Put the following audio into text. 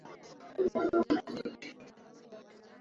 karibu sana profesa manu wekesa ukiwa nairobi habari za wakati huu